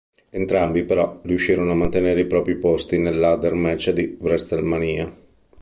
Entrambi, però, riuscirono a mantenere i propri posti nel Ladder match di WrestleMania.